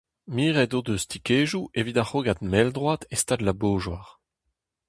Miret o deus tikedoù evit ar c'hrogad mell-droad e stad La Beaujoire.